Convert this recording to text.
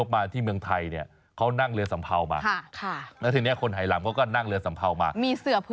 มีเสือผืนหมอนใบ